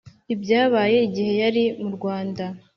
ibyabaye igihe yari mu rwanda